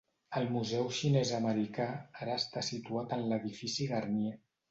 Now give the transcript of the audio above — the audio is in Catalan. El Museu Xinès Americà ara està situat en l'edifici Garnier.